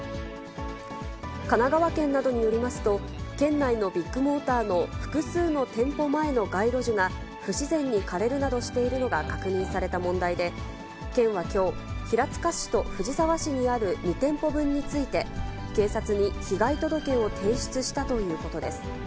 神奈川県などによりますと、県内のビッグモーターの複数の店舗前の街路樹が不自然に枯れるなどしているのが確認された問題で、県はきょう、平塚市と藤沢市にある２店舗分について、警察に被害届を提出したということです。